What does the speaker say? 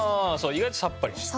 意外とさっぱりしてる。